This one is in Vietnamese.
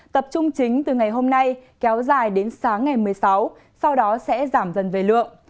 tập trung chính từ ngày hôm nay kéo dài đến sáng ngày một mươi sáu sau đó sẽ giảm dần về lượng